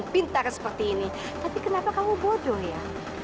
pintar seperti ini tapi kenapa kamu bodoh ya